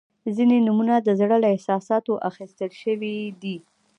• ځینې نومونه د زړه له احساساتو اخیستل شوي دي.